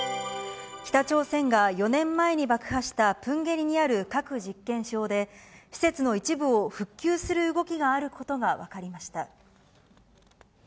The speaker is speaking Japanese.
北朝鮮が４年前に爆破したプンゲリにある核実験場で、施設の一部を復旧する動きがあることが分かりました。